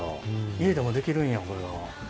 家でもできるんやこれは。